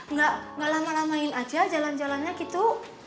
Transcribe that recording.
nggak lama lamain aja jalan jalannya gitu